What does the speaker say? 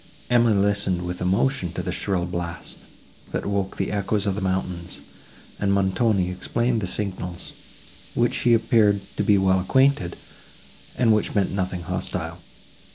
Emily listened with emotion to the shrill blast, that woke the echoes of the mountains, and Montoni explained the signals, with which he appeared to be well acquainted, and which meant nothing hostile.